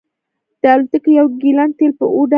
د الوتکې یو ګیلن تیل په اوه ډالره و